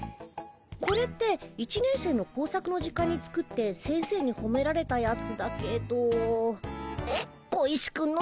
これって１年生の工作の時間に作って先生にほめられたやつだけど小石君のためだよね。